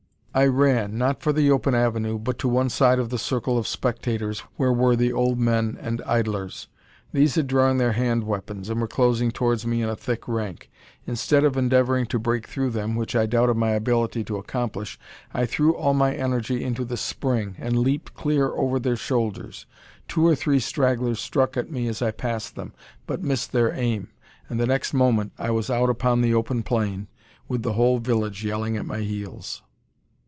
I ran, not for the open avenue, but to one side of the circle of spectators, where were the old men and idlers. These had drawn their hand weapons, and were closing towards me in a thick rank. Instead of endeavouring to break through them, which I doubted my ability to accomplish, I threw all my energy into the spring, and leaped clear over their shoulders. Two or three stragglers struck at me as I passed them, but missed their aim; and the next moment I was out upon the open plain, with the whole village yelling at my heels.